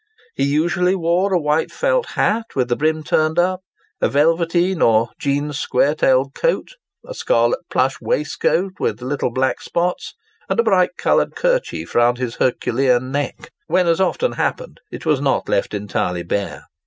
He usually wore a white felt hat with the brim turned up, a velveteen or jean square tailed coat, a scarlet plush waistcoat with little black spots, and a bright coloured kerchief round his herculean neck, when, as often happened, it was not left entirely bare.